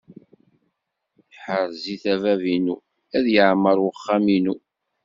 Ḥrez-it a bab-inu, ad yeɛmeṛ uxxam-inu.